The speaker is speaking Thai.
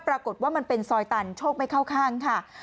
ปรากฏว่ามันเป็นซอยตันโชคไม่เข้าข้างค่ะ